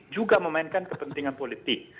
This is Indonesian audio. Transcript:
juga memainkan kepentingan politik